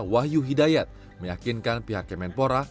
wahyu hidayat meyakinkan pihak kemenpora